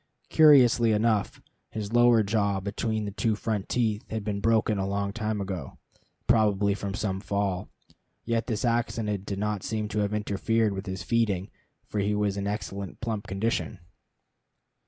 Curiously enough, his lower jaw between the two front teeth had been broken a long time ago, probably from some fall. Yet this accident did not seem to have interfered with his feeding, for he was in excellent plump condition.